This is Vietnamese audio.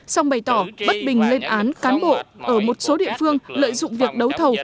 xong bày tỏ bất bình lên án cán bộ ở một số địa phương lợi dụng việc đấu thầu